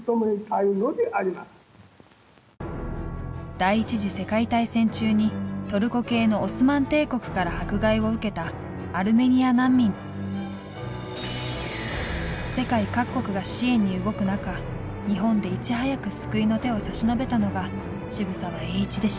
第一次世界大戦中にトルコ系のオスマン帝国から迫害を受けた世界各国が支援に動く中日本でいち早く救いの手を差し伸べたのが渋沢栄一でした。